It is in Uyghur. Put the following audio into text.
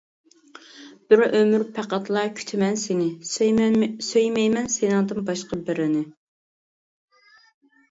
بىر ئۆمۈر پەقەتلا كۈتىمەن سېنى، سۆيمەيمەن سېنىڭدىن باشقا بىرىنى.